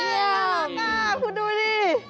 เยี่ยมน่ารักค่ะพูดดูดิ